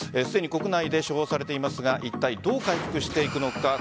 すでに国内で処方されていますがいったいどう回復していくのか。